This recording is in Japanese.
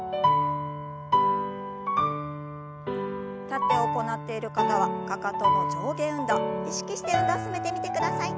立って行っている方はかかとの上下運動意識して運動を進めてみてください。